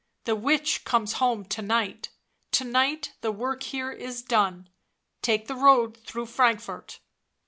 " The witch comes home to night, to night, the work here is done, take the road through Frankfort."